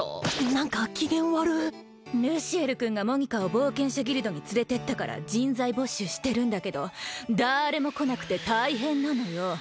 何か機嫌悪っルシエル君がモニカを冒険者ギルドに連れてったから人材募集してるんだけどだれも来なくて大変なのよ